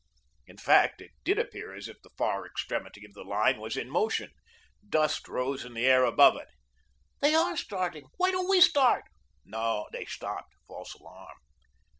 In fact, it did appear as if the far extremity of the line was in motion. Dust rose in the air above it. "They ARE starting. Why don't we start?" "No, they've stopped. False alarm."